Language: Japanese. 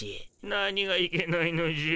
何がいけないのじゃ。